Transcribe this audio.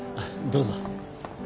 どうぞ。